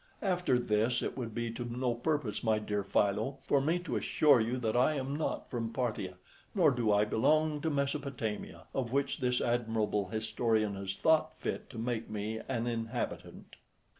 After this, it would be to no purpose, my dear Philo, for me to assure you that I am not from Parthia, nor do I belong to Mesopotamia, of which this admirable historian has thought fit to make me an inhabitant.